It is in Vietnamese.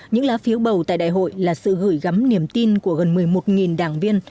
những lá phiếu bầu tại đại hội là sự gửi gắm niềm tin của gần một mươi một đảng viên